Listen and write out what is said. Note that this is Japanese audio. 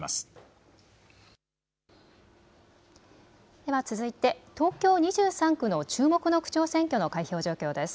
では続いて東京２３区の注目の区長選挙の開票状況です。